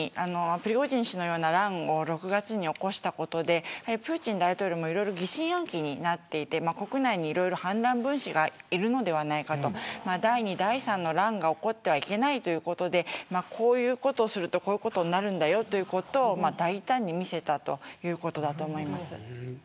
プリゴジンの乱を６月に起こしたことでプーチン大統領も疑心暗鬼になっていて国内に、いろいろ反乱分子がいるのではないかと第二、第三の乱が起こってはいけないということでこういうことをするとこういうことになるということを大胆に見せたということだと思います。